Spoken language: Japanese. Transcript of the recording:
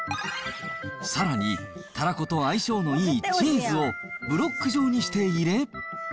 さらにたらこと相性のいいチーズをブロック状にして入れ。